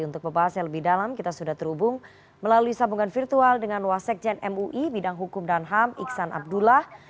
untuk pembahas yang lebih dalam kita sudah terhubung melalui sambungan virtual dengan wasekjen mui bidang hukum dan ham iksan abdullah